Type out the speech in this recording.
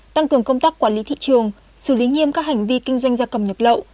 tăng cường công tác quản lý thị trường xử lý nghiêm các hành vi kinh doanh gia cầm nhập lậu